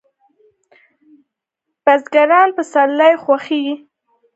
بزګر پسرلی خوښوي